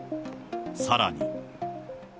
さらに。